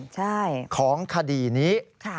ใช่ของคดีนี้